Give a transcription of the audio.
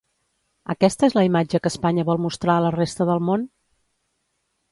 Aquesta és la imatge que Espanya vol mostrar a la resta del món?